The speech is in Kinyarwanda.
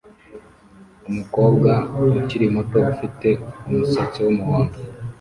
Umukobwa ukiri muto ufite umusatsi wumuhondo